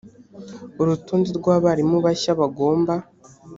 urutonde rw abarimu bashya bagomba